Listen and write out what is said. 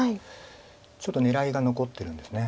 ちょっと狙いが残ってるんです。